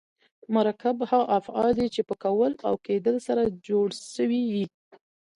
مرکب هغه افعال دي، چي په کول او کېدل سره جوړ سوي یي.